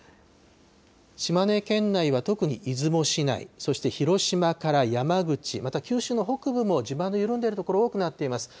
島根県内は特に、出雲市内、そして広島から山口、また九州の北部も、地盤の緩んでいる所が多くなっています。